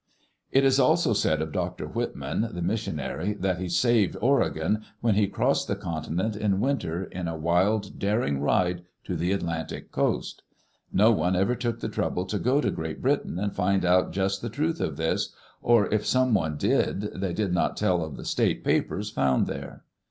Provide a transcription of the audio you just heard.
It is also said of Dr. Whitman, the missionary, that he " saved Oregon " when he crossed the continent in winter, in a wild, daring ride, to the Atlantic coast. No one ever took the trouble to go to Great Britain and find out just the truth of this; or, if someone did, they did not tell of the state papers found there.